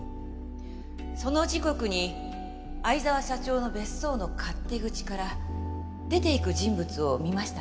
その時刻に逢沢社長の別荘の勝手口から出ていく人物を見ましたか？